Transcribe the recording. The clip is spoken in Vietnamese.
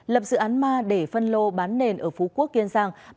lập dự án ma để phân lô bán nền ở phú quang